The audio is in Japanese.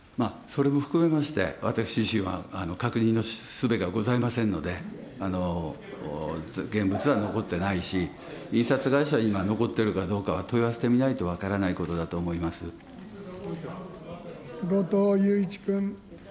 それも含めまして、私自身は確認のすべがございませんので、現物は残ってないし、印刷会社に残ってるかどうかは問い合わせてみないと分からないこ後藤祐一君。